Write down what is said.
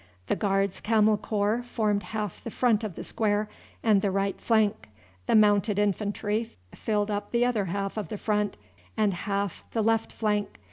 The Guards' Camel Corps formed half the front of the square, and the right flank. The Mounted Infantry filled up the other half of the front, and half the left flank.